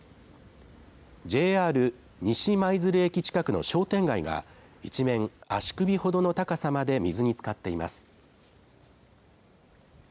ＪＲ西舞鶴駅近くの商店街が一面足首ほどの高さまで水につかっています。